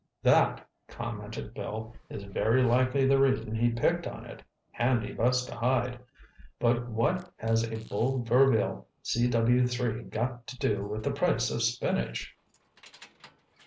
"That," commented Bill, "is very likely the reason he picked on it—handy bus to hide. But what has a Buhl Verville CW3 got to do with the price of spinach?"